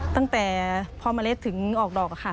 ตั้งแต่พอเมล็ดถึงออกดอกค่ะ